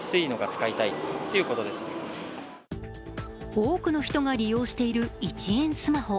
多くの人が利用している１円スマホ。